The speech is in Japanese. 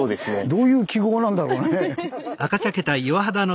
どういう記号なんだろうね。